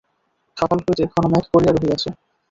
সকাল হইতে ঘন মেঘ করিয়া রহিয়াছে।